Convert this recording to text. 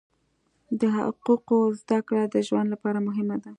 د حقوقو زده کړه د ژوند لپاره مهمه ده.